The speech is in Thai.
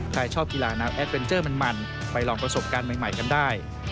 ใครชอบกีฬาน้ำแอดเวนเจอร์มันไปลองประสบการณ์ใหม่กันได้